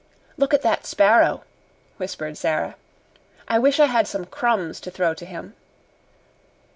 "Look at that sparrow," whispered Sara. "I wish I had some crumbs to throw to him."